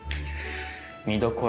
見どころ